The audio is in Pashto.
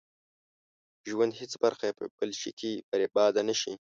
ژوند هېڅ برخه يې په بل شي کې برباده نه شي.